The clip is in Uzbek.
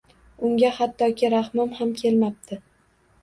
Unga hattoki rahmim ham kelmapti.